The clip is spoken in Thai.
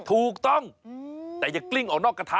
ถูกต้องแต่อย่ากลิ้งออกนอกกระทะ